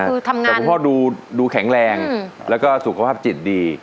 คือทำงานแต่คุณพ่อดูแข็งแรงแล้วก็สุขภาพจิตดี